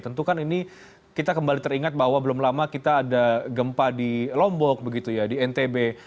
tentu kan ini kita kembali teringat bahwa belum lama kita ada gempa di lombok begitu ya di ntb